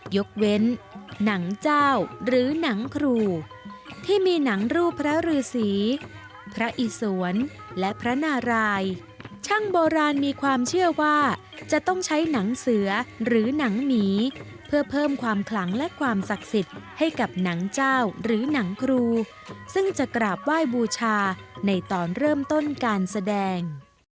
ยกเว้นหนังเจ้าหรือหนังครูที่มีหนังรูปพระฤษีพระอิสวนและพระนารายช่างโบราณมีความเชื่อว่าจะต้องใช้หนังเสือหรือหนังหมีเพื่อเพิ่มความขลังและความศักดิ์สิทธิ์ให้กับหนังเจ้าหรือหนังครูซึ่งจะกราบไหว้บูชาในตอนเริ่มต้นการแสดง